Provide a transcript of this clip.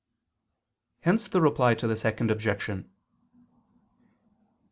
Hence the Reply to the Second Objection.